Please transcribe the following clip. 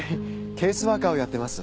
ケースワーカーをやってます。